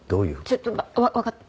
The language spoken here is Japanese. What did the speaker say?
ちょっとわかった。